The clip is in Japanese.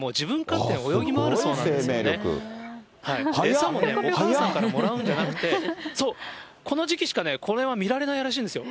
餌もお母さんからもらうんじゃなくて、この時期しかね、これは見られないらしいんですよ。